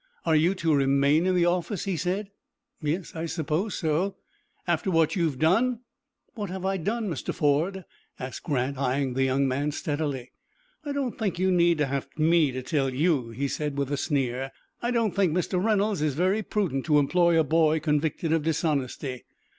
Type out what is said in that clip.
"Are you to remain in the office?" he said. "Yes, I suppose so." "After what you have done?" "What have I done, Mr. Ford?" asked Grant, eyeing the young man, steadily. "I don't think you need to have me tell you," he said, with a sneer. "I don't think Mr. Reynolds is very prudent to employ a boy convicted of dishonesty."